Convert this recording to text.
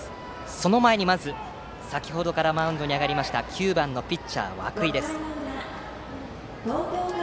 その前にまず先程からマウンドに上がりました９番のピッチャー、涌井です。